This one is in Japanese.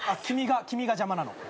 君が邪魔なの。